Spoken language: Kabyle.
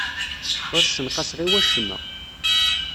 Ur ssenqaseɣ i wacemma.